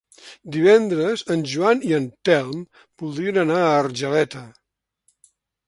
Divendres en Joan i en Telm voldrien anar a Argeleta.